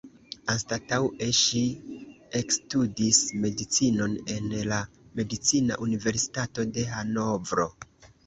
Anstataŭe ŝi ekstudis medicinon en la Medicina Universitato de Hanovro.